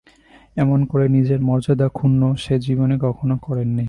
এমন করে নিজের মর্যাদা ক্ষুণ্ন সে জীবনে কখনো করে নি।